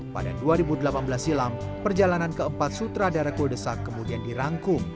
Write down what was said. pada dua ribu delapan belas silam perjalanan keempat sutradara kuldesak kemudian dirangkum